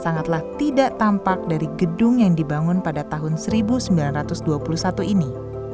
sangatlah tidak tampak dari gedung yang dibangun pada tahun seribu sembilan ratus dua puluh satu ini